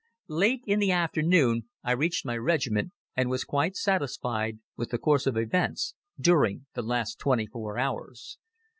Late in the afternoon I reached my regiment and was quite satisfied with the course of events during the last twenty four hours.